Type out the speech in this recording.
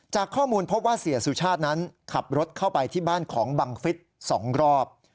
จากข้อมูลพบว่าเสียสุชาตินั้นขับรถเข้าไปที่บ้านของบังฟิศ๒รอบ